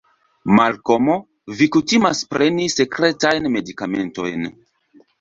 Malkomo, vi kutimas preni sekretajn medikamentojn.